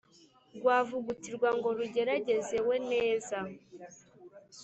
Rwavugutirwa ngo rugeragezewe neza